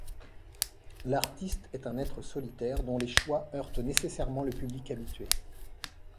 L'artiste est un être solitaire, dont les choix heurtent nécessairement le public habitué.